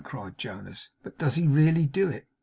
cried Jonas. 'But does he really do it?